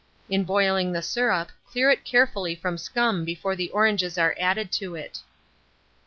In boiling the syrup, clear it carefully from scum before the oranges are added to it.